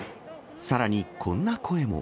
さらにこんな声も。